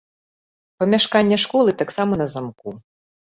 Памяшканне школы таксама на замку.